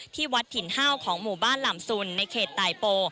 ที่วัดถิ่นห้าวของหมู่บ้านหล่ำซุนในเขตตายโป